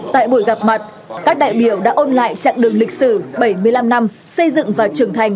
tại buổi gặp mặt các đại biểu đã ôn lại chặng đường lịch sử bảy mươi năm năm xây dựng và trưởng thành